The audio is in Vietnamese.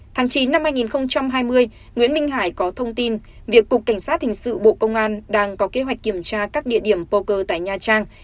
tháng chín năm hai nghìn hai mươi nguyễn minh hải có thông tin việc cục cảnh sát hình sự bộ công an đang có kế hoạch kiểm tra các địa điểm poker tại nha trang